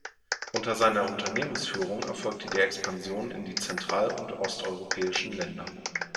Unter seiner Unternehmensführung erfolgte die Expansion in die zentral- und osteuropäischen Länder.